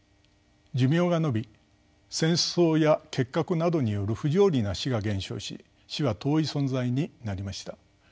寿命が延び戦争や結核などによる不条理な死が減少し死は遠い存在になりました。